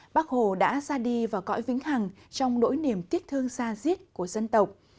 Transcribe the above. bác hồ đã ra đi và cõi vĩnh hẳng trong nỗi niềm tiếc thương xa giết của dân tộc